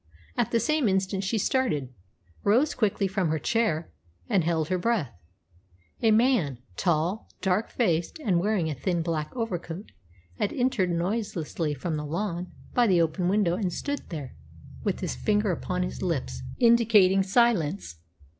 At the same instant she started, rose quickly from her chair, and held her breath. A man, tall, dark faced, and wearing a thin black overcoat, had entered noiselessly from the lawn by the open window, and stood there, with his finger upon his lips, indicating silence.